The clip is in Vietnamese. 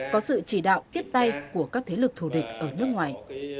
có sự chỉ đạo tiếp tay của các thế lực thù địch ở nước ngoài